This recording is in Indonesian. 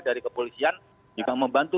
dari kepolisian juga membantu